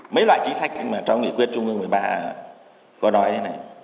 mấy loại chính sách mà trong nghị quyết trung ương một mươi ba có nói như thế này